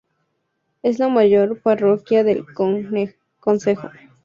Es la mayor parroquia del concejo.